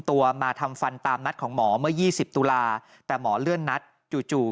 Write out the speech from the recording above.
ตัวมาทำฟันตามนัดของหมอเมื่อ๒๐ตุลาแต่หมอเลื่อนนัดจู่จู่